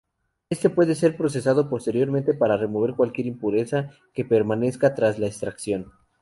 Éste puede ser procesado posteriormente para remover cualquier impureza que permanezca tras la extracción.